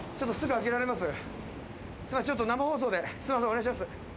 お願いします。